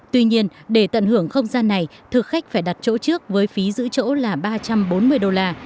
tuy nhiên để tận hưởng không gian này thực khách phải đặt chỗ trước với phí giữ chỗ là ba trăm bốn mươi đô la